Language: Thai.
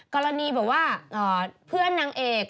กรณีบอกว่าเพื่อนนางเอก